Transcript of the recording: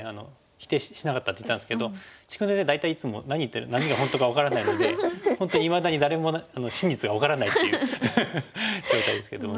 否定しなかったって言ったんですけど治勲先生大体いつも何が本当か分からないので本当にいまだに誰も真実が分からないという状態ですけども。